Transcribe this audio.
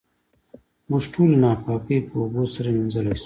موږ ټولې ناپاکۍ په اوبو سره وېنځلی شو.